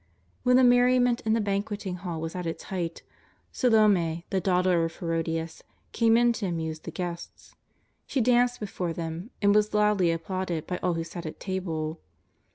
When the merriment in the banqueting hall was at its height, Salome, the daughter of Herodias, came in to amuse the guests. She danced before them and was loudly applauded by all who sat at table.